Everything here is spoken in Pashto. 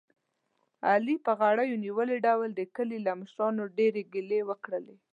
علي په غرېو نیولي ډول د کلي له مشرانو ډېرې ګیلې وکړلې.